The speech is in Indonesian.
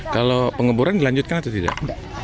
kalau pengemburan dilanjutkan atau tidak